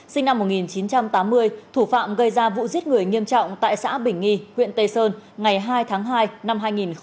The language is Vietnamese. sinh năm một nghìn chín trăm tám mươi thủ phạm gây ra vụ giết người nghiêm trọng tại xã bình nghi huyện tây sơn ngày hai tháng hai năm hai nghìn một mươi chín